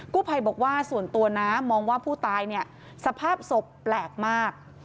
กู้ภัยบอกว่าส่วนตัวนะมองว่าผู้ตายเนี่ยสภาพศพแปลกมาก